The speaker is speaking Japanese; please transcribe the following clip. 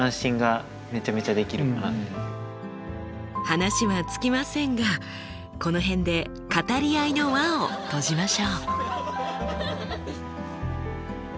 話は尽きませんがこの辺で語り合いの輪を閉じましょう。